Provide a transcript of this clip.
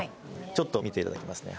ちょっと見ていただきますね。